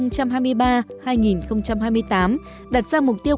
đạt ra mục tiêu của tết